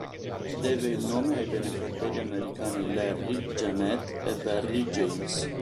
Deve il nome ai benefattori americani Larry, Jeanette e Barry James.